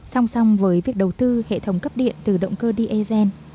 song song với việc đầu tư hệ thống cấp điện từ động cơ dsn